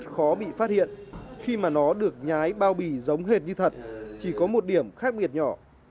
khó bị phát hiện khi mà nó được nhái bao bì giống hệt như thật chỉ có một điểm khác biệt nhỏ